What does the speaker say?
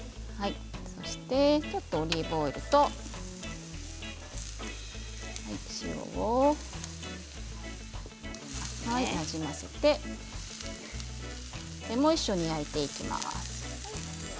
ちょっとオリーブオイルと塩をなじませて一緒に焼いていきます。